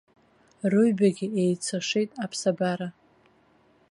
Рыҩбагьы еицашеит аԥсабара.